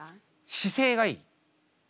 姿勢がいい。